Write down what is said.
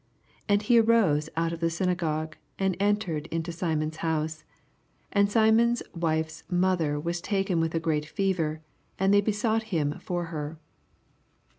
88 And he arose out of the syna^ gogue, and entered into Simon's House. And Simon*t wife's mother was taken with a great fever; and they besouffht him for her.